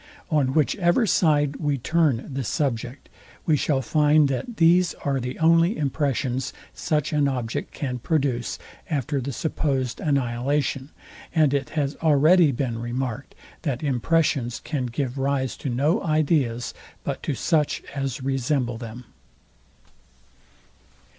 On whichever side we turn this subject, we shall find that these are the only impressions such an object can produce after the supposed annihilation; and it has already been remarked, that impressions can give rise to no ideas, but to such as resemble them.